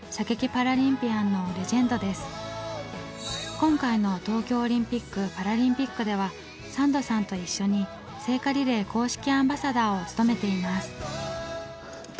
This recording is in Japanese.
今回の東京オリンピックパラリンピックではサンドさんと一緒に聖火リレー公式アンバサダーを務めています。